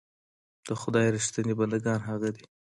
د خدای رښتيني بندګان هغه دي.